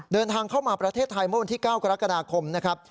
เดินทางเข้ามาประเทศไทยเมื่อวันที่๙กรกฎาคมนะครับ